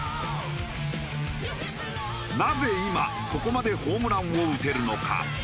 なぜ今ここまでホームランを打てるのか。